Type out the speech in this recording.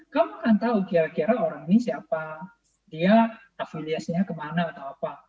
kamu akan tahu kira kira orang ini siapa dia afiliasinya kemana atau apa